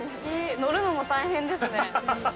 乗るのも大変ですね。